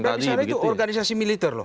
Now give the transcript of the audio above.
tapi sana itu organisasi militer loh